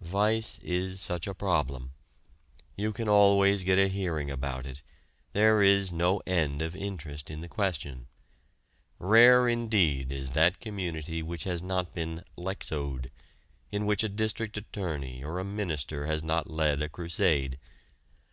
Vice is such a problem. You can always get a hearing about it; there is no end of interest in the question. Rare indeed is that community which has not been "Lexowed," in which a district attorney or a minister has not led a crusade.